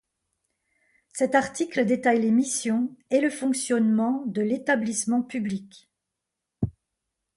Cet article détaille les missions et le fonctionnement de l’établissement public.